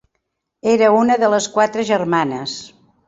Era una de les quatre germanes.